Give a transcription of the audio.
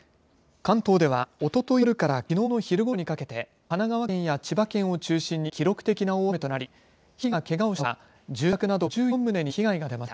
関東では、おととい夜からきのうの昼ごろにかけて神奈川県や千葉県を中心に記録的な大雨となり１人がけがをしたほか住宅など５４棟に被害が出ました。